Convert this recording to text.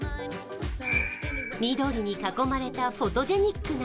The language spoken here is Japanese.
緑に囲まれたフォトジェニックな